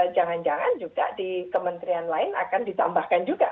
jangan jangan juga di kementerian lain akan ditambahkan juga